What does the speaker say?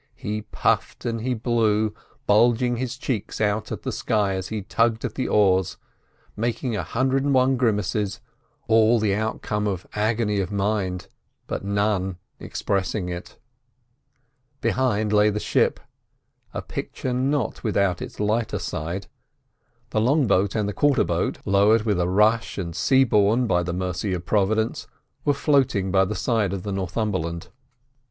He puffed and he blew, bulging his cheeks out at the sky as he tugged at the oars, making a hundred and one grimaces—all the outcome of agony of mind, but none expressing it. Behind lay the ship, a picture not without its lighter side. The long boat and the quarter boat, lowered with a rush and seaborne by the mercy of Providence, were floating by the side of the Northumberland.